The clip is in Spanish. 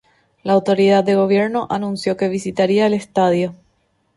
La autoridad de gobierno anunció que visitaría el estadio.